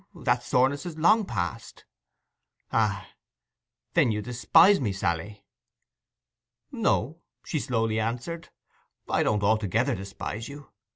That soreness is long past.' 'Ah—then you despise me, Sally?' 'No,' she slowly answered. 'I don't altogether despise you.